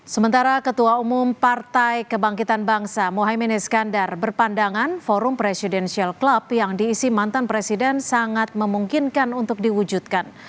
sementara ketua umum partai kebangkitan bangsa mohaimin iskandar berpandangan forum presidential club yang diisi mantan presiden sangat memungkinkan untuk diwujudkan